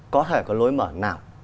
có thể có lối mở nào